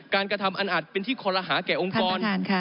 กระทำอันอาจเป็นที่คอลหาแก่องค์กร